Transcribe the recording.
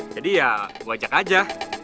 jadi ya gua ajak aja